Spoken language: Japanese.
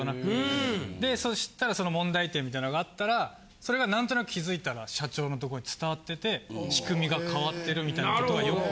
でそしたら問題点みたいなのがあったらそれがなんとなく気付いたら社長のとこに伝わってて仕組みが変わってるみたいな事がよく。